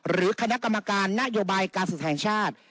หรือคณะกรรมการนโยบายการศึกแห่งชาติ